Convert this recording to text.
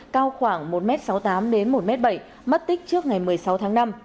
cao khoảng một m sáu mươi tám đến một m bảy mất tích trước ngày một mươi sáu tháng năm